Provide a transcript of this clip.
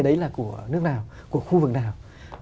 đấy là của nước nào của khu vực nào